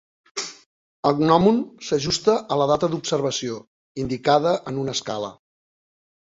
El gnòmon s'ajusta a la data d'observació, indicada en una escala.